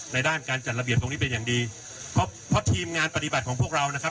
ด้านการจัดระเบียบตรงนี้เป็นอย่างดีเพราะเพราะทีมงานปฏิบัติของพวกเรานะครับ